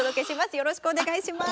よろしくお願いします。